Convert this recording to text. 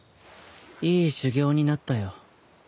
いい修行になったよ。